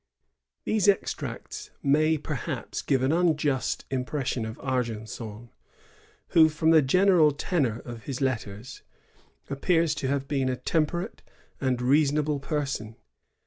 "* These extracts may, perhaps, give an unjust impression of Argenson, who, from the general tenor of his letters, appears to have been a temperate and reasonable person.